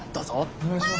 おねがいします。